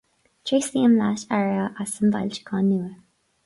Tréaslaím leat a Aire as an bhfoilseachán nua.